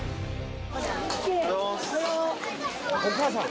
お母さん。